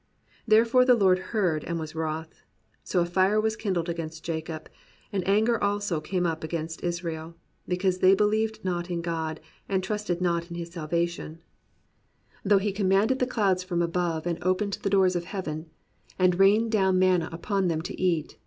Therefore the Lord heard and was wroth: So a fire was kindled against Jacob, And anger also came up against Israel: Because they believed not ia God, And trusted not in his salvation: 53 COMPANIONABLE BOOKS Though he had commanded the clouds from above. And opened the doors of heaven. And had rained down manna upon them to eat.